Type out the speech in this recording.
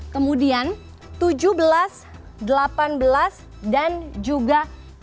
kemudian tujuh belas delapan belas dan juga dua belas